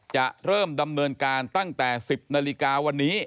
จะเริ่มดำเนินการตั้งแต่๑๐นาฬิกาวันนี้